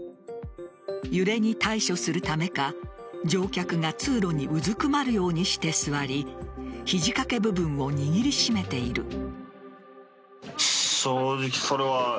揺れに対処するためか乗客が通路にうずくまるようにして座り肘掛け部分を握り締めている。